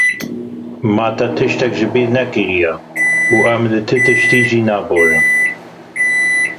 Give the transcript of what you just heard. Me ti tiştek ji bîrnekiriye û em li ti tiştî jî naborin.